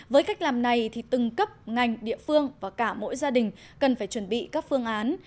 với cách làm này thì từng cấp ngành địa phương và cả mỗi gia đình cần phải chuẩn bị các phương án